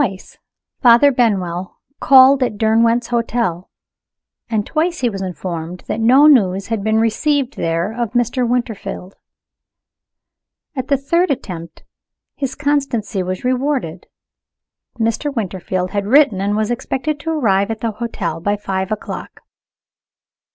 TWICE Father Benwell called at Derwent's Hotel, and twice he was informed that no news had been received there of Mr. Winterfield. At the third attempt, his constancy was rewarded. Mr. Winterfield had written, and was expected to arrive at the hotel by five o'clock.